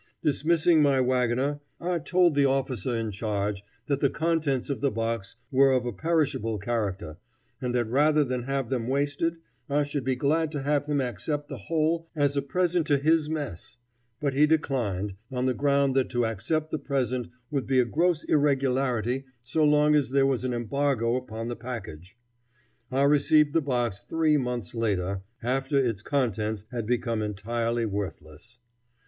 Dismissing my wagoner, I told the officer in charge that the contents of the box were of a perishable character, and that rather than have them wasted, I should be glad to have him accept the whole as a present to his mess; but he declined, on the ground that to accept the present would be a gross irregularity so long as there was an embargo upon the package. I received the box three months later, after its contents had become entirely worthless.